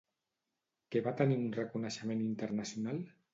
Què va tenir un reconeixement internacional?